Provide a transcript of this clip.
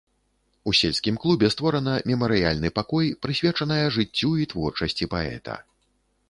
У сельскім клубе створана мемарыяльны пакой, прысвечаная жыццю і творчасці паэта.